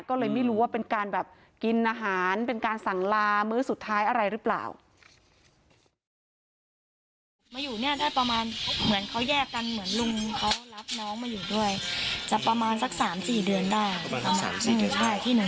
ก็เลยไม่รู้ว่าเป็นการแบบกินอาหารเป็นการสั่งลามื้อสุดท้ายอะไรหรือเปล่า